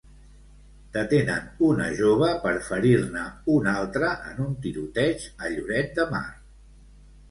Detenen una jove per ferir-ne un altre en un tiroteig a Lloret de Mar.